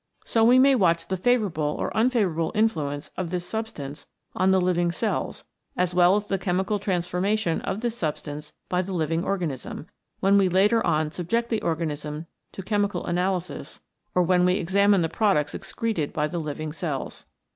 So we may watch the favourable or unfavourable influence of this substance on the living cells as well as the chemical transformation of this substance by the living organism, when we later on subject the organism to chemical analysis or when we examine the products excreted by the living cells.